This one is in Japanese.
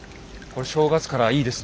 これ正月からいいですね